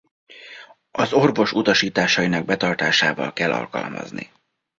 Az orvos utasításainak betartásával kell alkalmazni.